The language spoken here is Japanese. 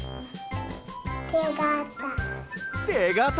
てがた。